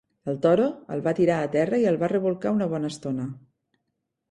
El toro el va tirar a terra i el va rebolcar una bona estona.